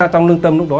trong lúc đó